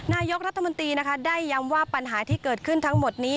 นายกรัฐมนตรีนะคะได้ย้ำว่าปัญหาที่เกิดขึ้นทั้งหมดนี้